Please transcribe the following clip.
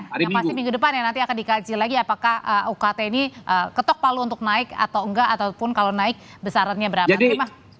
yang pasti minggu depan ya nanti akan dikaji lagi apakah ukt ini ketok palu untuk naik atau enggak ataupun kalau naik besarannya berapa